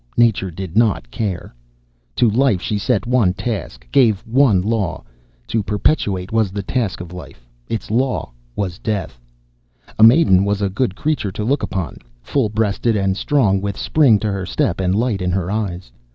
Nature did not care. To life she set one task, gave one law. To perpetuate was the task of life, its law was death. A maiden was a good creature to look upon, full breasted and strong, with spring to her step and light in her eyes.